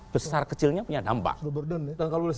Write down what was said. besar kecilnya punya dampak